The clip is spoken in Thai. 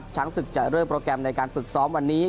ช้างศึกจะเริ่มโปรแกรมในการฝึกซ้อมวันนี้